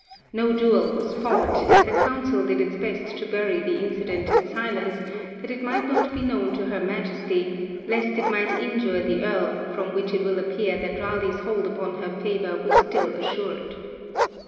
No duel was fought, and the Council did its best to bury the incident 'in silence, that it might not be known to her Majesty, lest it might injure the Earl,' from which it will appear that Raleigh's hold upon her favour was still assured.